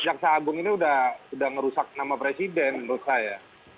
ini jaksa agung ini udah ngerusak nama presiden menurut saya